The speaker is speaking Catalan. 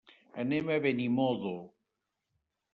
Anem a Benimodo.